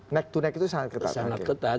neck to neck itu sangat ketat